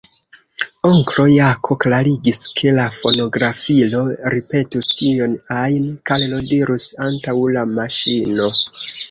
Onklo Jako klarigis, ke la fonografilo ripetus kion ajn Karlo dirus antaŭ la maŝino.